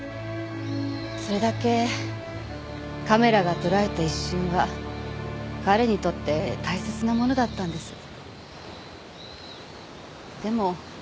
それだけカメラが捉えた一瞬が彼にとって大切なものだったんです。